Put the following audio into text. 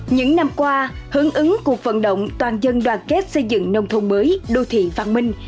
những năm qua hướng ứng cuộc vận động toàn dân đoàn kết xây dựng nông thôn mới đô thị văn minh